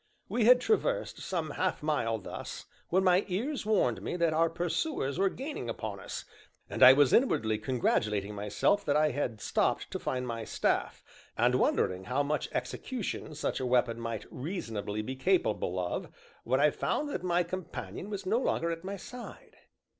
We had traversed some half mile thus, when my ears warned me that our pursuers were gaining upon us, and I was inwardly congratulating myself that I had stopped to find my staff, and wondering how much execution such a weapon might reasonably be capable of, when I found that my companion was no longer at my side.